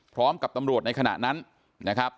พร้อมกับตำรวจในขณะนั้นนะครับ